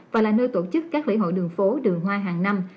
và là nơi tổ chức các lễ hội đường phố đường hoa hàng năm